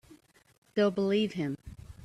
They'll believe him.